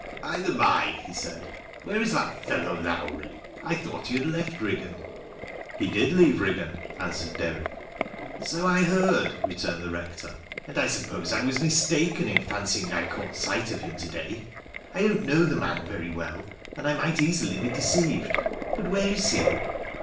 " By the bye," he said, " where is that fellow, Lowrie ? I thought he had left Eiggan." " He did leave Riggan," answered Derrick. " So I heard," returned the rector, " and I suppose 1 was mistaken in fancying I caught sight of him to day. I don't know the man very well and I might easily be deceived. But where is he